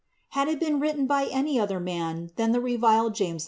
Had it been written by any other man than the reviled James I.